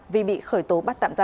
vì bị khởi tố bắt tạm giam